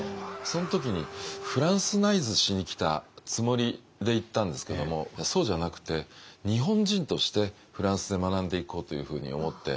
その時にフランスナイズしに来たつもりで行ったんですけどもそうじゃなくて日本人としてフランスで学んでいこうというふうに思って。